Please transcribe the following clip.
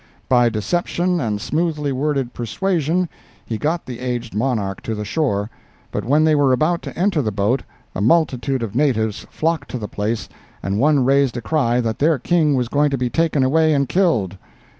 By deception and smoothly worded persuasion he got the aged monarch to the shore, but when they were about to enter the boat a multitude of natives flocked to the place and one raised a cry that their King was going to be taken away and killed.